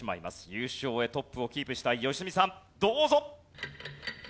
優勝へトップをキープしたい良純さんどうぞ。